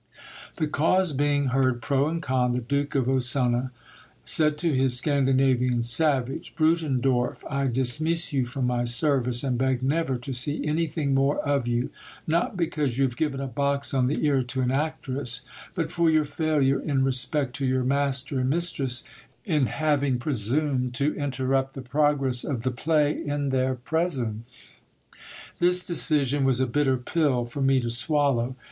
The cause being heard pro and con, the Duke of Ossuna said to his Scandina vian savage : Brutandorf, I dismiss you from my service, and beg never to see c.nything more of you, not because you have given a box on the ear to an rctress, but for your failure in respect to your master and mistress, in having presumed to interrupt the progress of the play in their presence This decision was a bitter pill for me to swallow.